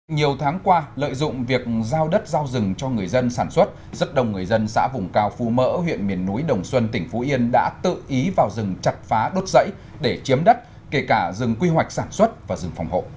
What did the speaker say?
nhiều tháng qua lợi dụng việc giao đất giao rừng cho người dân sản xuất rất đông người dân xã vùng cao phú mỡ huyện miền núi đồng xuân tỉnh phú yên đã tự ý vào rừng chặt phá đốt dãy để chiếm đất kể cả rừng quy hoạch sản xuất và rừng phòng hộ